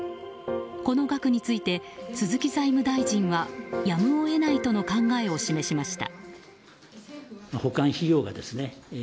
この額について鈴木財務大臣はやむを得ないとの考えを示しました。